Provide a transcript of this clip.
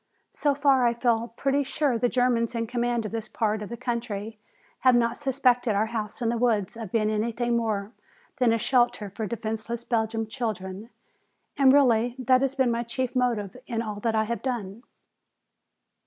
So far I feel pretty sure the Germans in command of this part of the country have not suspected our house in the woods of being anything more than a shelter for defenseless Belgian children. And really that has been my chief motive in all that I have done."